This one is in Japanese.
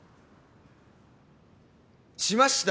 しました！